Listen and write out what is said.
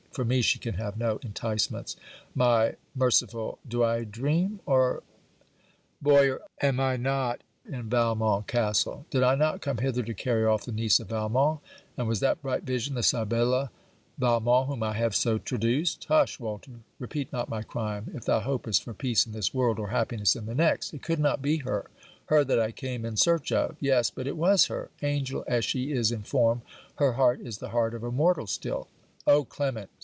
For me, she can have no enticements. My Merciful! Do I dream? or Boyer, am I not in Valmont castle? Did I not come hither to carry off the niece of Valmont? And was that bright vision the Sibella Valmont whom I have so traduced? Hush! Walter! repeat not my crime, if thou hopest for peace in this world, or happiness in the next! It could not be her, her that I came in search of! Yes, but it was her. Angel as she is in form, her heart is the heart of a mortal still. 'Oh, Clement!'